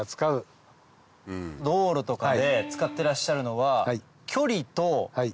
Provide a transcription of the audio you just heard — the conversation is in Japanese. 道路とかで使ってらっしゃるのは。